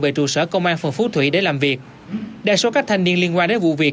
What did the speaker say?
về trụ sở công an phường phú thủy để làm việc đa số các thanh niên liên quan đến vụ việc